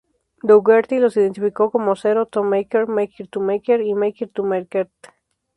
Dougherty los identificó como "zero-to-maker, maker-to-maker," y "maker-to-market.